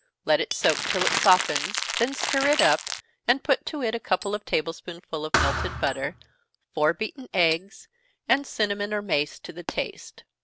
Let it soak till it softens, then stir it up, and put to it a couple of table spoonsful of melted butter, four beaten eggs, and cinnamon or mace to the taste.